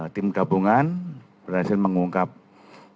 tim gabungan berhasil mengungkapkan